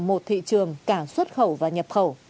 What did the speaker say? một thị trường cả xuất khẩu và nhập khẩu